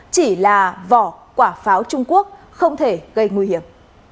chỉ là vỏ quả pháo trung quốc không thể gây nguy hiểm